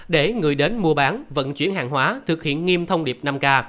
để người đến mua bán vận chuyển hàng hóa thực hiện nghiêm thông điệp năm k